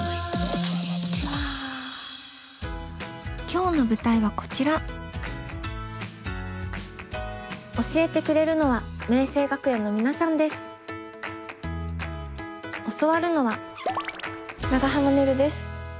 今日の舞台はこちら教えてくれるのは教わるのは長濱ねるです。